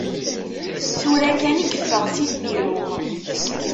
Tura kan i yeffeɣ si lbiru.